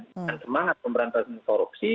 dengan semangat pemberantasan korupsi